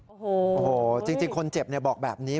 โอ้โหจริงคนเจ็บบอกแบบนี้